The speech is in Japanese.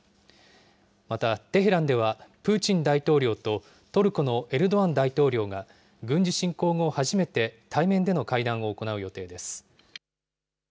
また、テヘランでは、プーチン大統領とトルコのエルドアン大統領が、軍事侵攻後初めて対面での会談を行う予定です。